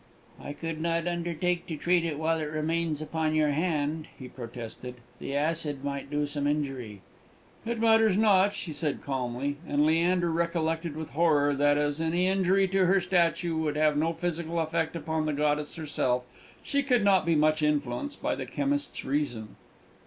"I could not undertake to treat it while it remains upon your hand," he protested. "The acid might do some injury!" "It matters not!" she said calmly; and Leander recollected with horror that, as any injury to her statue would have no physical effect upon the goddess herself, she could not be much influenced by the chemist's reason.